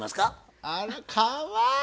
あらかわいい！